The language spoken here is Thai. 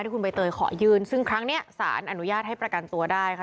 คุณใบเตยขอยื่นซึ่งครั้งนี้สารอนุญาตให้ประกันตัวได้ค่ะ